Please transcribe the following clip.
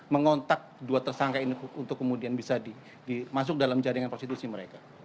mengontak dua tersangka ini untuk kemudian bisa dimasuk dalam jaringan prostitusi mereka